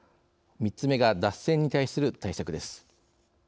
３つ目が、脱線に対する対策です。